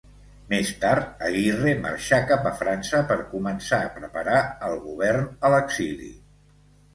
Més tard Aguirre marxà cap a França per començar a preparar el govern a l'exili.